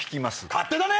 勝手だね！